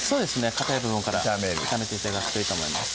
かたい部分から炒める炒めて頂くといいと思います